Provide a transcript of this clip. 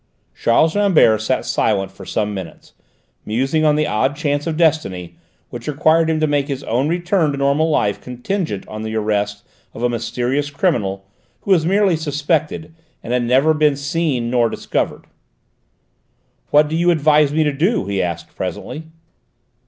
Charles Rambert sat silent for some minutes, musing on the odd chance of destiny which required him to make his own return to normal life contingent on the arrest of a mysterious criminal, who was merely suspected, and had never been seen nor discovered. "What do you advise me to do?" he asked presently.